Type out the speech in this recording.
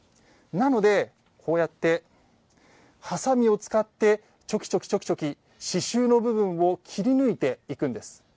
なので、こうやってはさみを使ってチョキチョキと刺しゅうの部分を切り抜いていくんです。